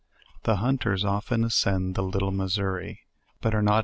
The hunters often ascend the Little Missouri^ but are not.